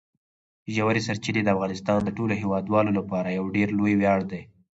ژورې سرچینې د افغانستان د ټولو هیوادوالو لپاره یو ډېر لوی ویاړ دی.